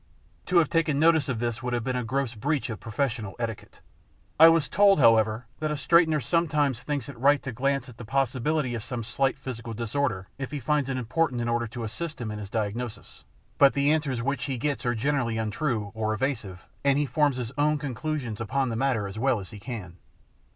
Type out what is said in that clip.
To have taken notice of this would have been a gross breach of professional etiquette. I was told, however, that a straightener sometimes thinks it right to glance at the possibility of some slight physical disorder if he finds it important in order to assist him in his diagnosis; but the answers which he gets are generally untrue or evasive, and he forms his own conclusions upon the matter as well as he can.